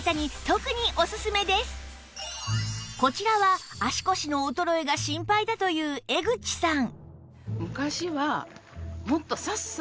こちらは足腰の衰えが心配だという江口さん